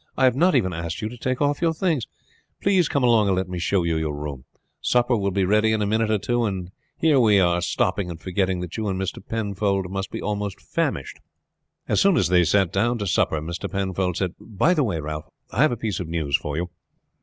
I have not even asked you to take off your things. Please come along and let me show you your room. Supper will be ready in a minute or two, and here are we stopping and forgetting that you and Mr. Penfold must be almost famished." As soon as they had sat down to supper, Mr. Penfold said, "By the way, Ralph, I have a piece of news for you.